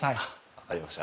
分かりました。